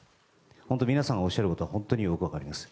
本当に皆さんがおっしゃることはよく分かります。